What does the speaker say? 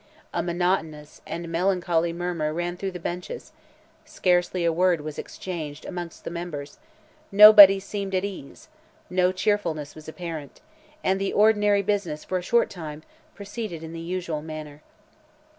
A monotonous and melancholy murmur ran through the benches; scarcely a word was exchanged amongst the members; nobody seemed at ease; no cheerfulness was apparent; and the ordinary business, for a short time, proceeded in the usual manner.